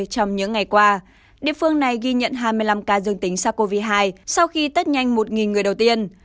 trong những ngày qua địa phương này ghi nhận hai mươi năm ca dương tính sars cov hai sau khi tết nhanh một người đầu tiên